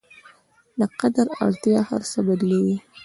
د قدرت اړتیا هر څه بدلوي.